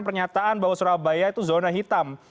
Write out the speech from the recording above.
pernyataan bahwa surabaya itu zona hitam